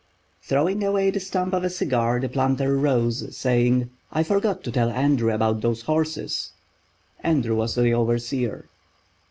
Throwing away the stump of a cigar, the planter rose, saying: "I forgot to tell Andrew about those horses." Andrew was the overseer.